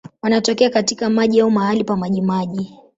Wanatokea katika maji au mahali pa majimaji.